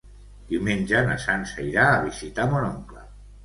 Diumenge na Sança irà a visitar mon oncle.